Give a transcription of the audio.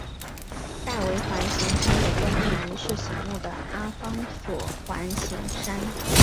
戴维环形山的东南是醒目的阿方索环形山。